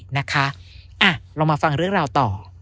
นะคะเรามาฟังเรื่องราวต่อ